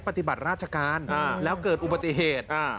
ปฏิบัติราชการแล้วเกิดอุบัติเหตุ